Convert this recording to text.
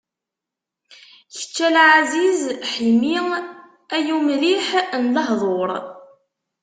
Kečč a Lɛaziz Ḥimi! Ay umliḥ n lehḍur.